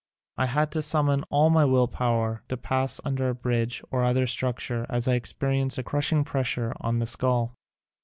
I had to summon all my will power to pass under a bridge or other structure as I ex perienced a crushing pressure on the skull.